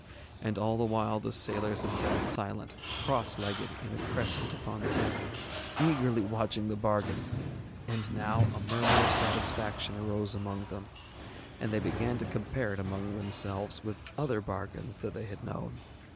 And all the while the sailors had sat silent, cross legged in a crescent upon the deck, eagerly watching the bargain, and now a murmur of satisfaction arose among them, and they began to compare it among themselves with other bargains that they had known.